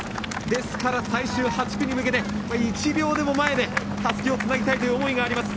ですから最終８区に向けて１秒でも速くたすきをつなぎたいという思いがあります。